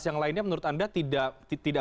tiga belas yang lainnya menurut anda tidak